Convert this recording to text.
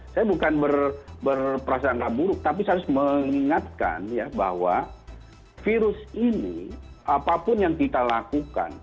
saya bukan berprasangka buruk tapi saya harus mengingatkan ya bahwa virus ini apapun yang kita lakukan